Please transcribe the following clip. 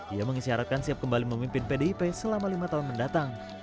ia mengisyaratkan siap kembali memimpin pdip selama lima tahun mendatang